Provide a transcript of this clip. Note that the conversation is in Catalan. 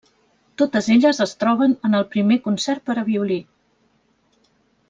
Totes elles es troben en el primer concert per a violí.